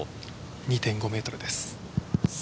２．５ｍです。